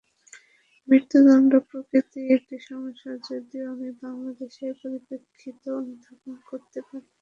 মৃত্যুদণ্ড প্রকৃতই একটি সমস্যা, যদিও আমি বাংলাদেশের পরিপ্রেক্ষিত অনুধাবন করতে পারি।